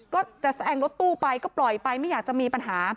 ก็จะแซงรถตู้ไปก็ปล่อยไปไม่อยากจะมีปัญหา